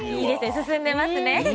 進んでますね。